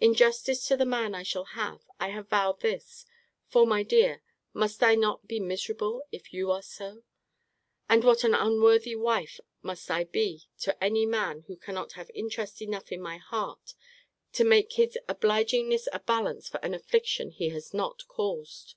In justice to the man I shall have, I have vowed this: for, my dear, must I not be miserable, if you are so? And what an unworthy wife must I be to any man who cannot have interest enough in my heart to make his obligingness a balance for an affliction he has not caused!